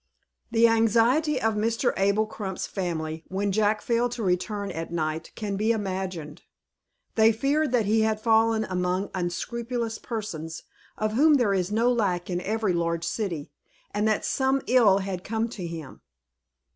THE anxiety of Mr. Abel Crump's family, when Jack failed to return at night, can be imagined. They feared that he had fallen among unscrupulous persons, of whom there is no lack in every large city, and that some ill had come to him.